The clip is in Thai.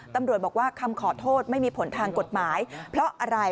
ตำรวจบอกว่าคำขอโทษไม่มีผลทางกฎหมายเพราะอะไร